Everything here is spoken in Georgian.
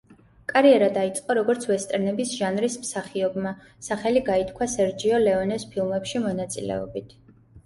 კარიერა დაიწყო როგორც ვესტერნების ჟანრის მსახიობმა, სახელი გაითქვა სერჯიო ლეონეს ფილმებში მონაწილეობით.